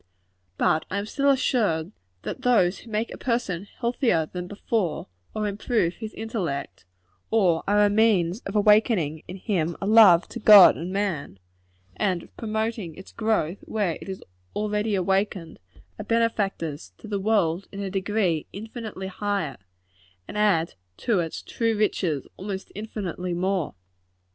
But I am still assured, that those who make a person healthier than before, or improve his intellect, or are a means of awakening in him a love to God and man, and of promoting its growth where it is already awakened, are benefactors to the world in a degree infinitely higher, and add to its true riches almost infinitely more.